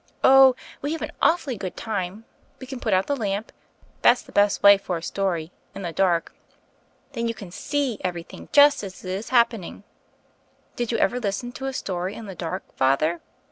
Oh, we have an awfully good time: we can put out the lamp: that's the best way for a story — in the dark. Then you can see everything just as it is hap pening. Did you ever listen to a story in the dark. Father?